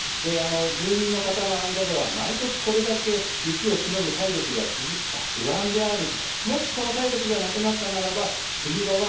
住民の方の間では毎年これだけ雪をしのぐ体力が続くか不安であると。